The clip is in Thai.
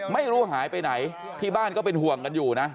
ไม่รู้หายไปไหนที่บ้านก็เป็นห่วงกันอยู่นะ